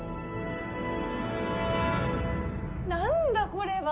何だこれは！？